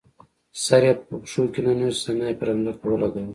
سر یې په پښو کې ننویست، زنه یې پر ځمکه ولګوله.